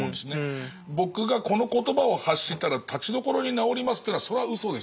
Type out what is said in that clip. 僕がこの言葉を発したらたちどころに治りますというのはそれはうそですよ。